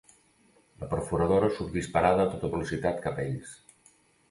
La perforadora surt disparada a tota velocitat cap a ells.